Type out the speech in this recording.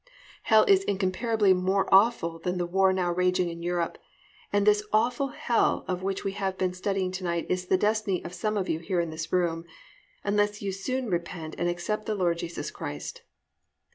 Hell is incomparably more awful than the war now raging in Europe, and this awful hell of which we have been studying to night is the destiny of some of you here in this room, unless you soon repent and accept the Lord Jesus Christ.